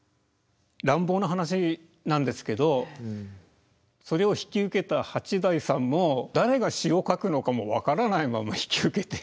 乱暴な話なんですけどそれを引き受けた八大さんも誰が詞を書くのかも分からないまま引き受けて。